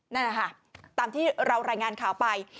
นั่นแหละค่ะตามที่เรารายงานข่าวไป